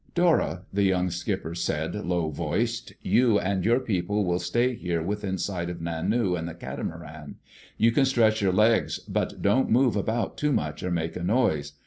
"Dora," the young skipper said, low voiced, "you and your people will stay here, within sight of Nanu and the catamaran. You can stretch your legs, but don't move about too much or make a noise.